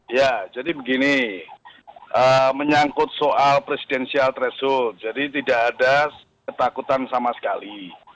ya jadi begini menyangkut soal presidensial threshold jadi tidak ada ketakutan sama sekali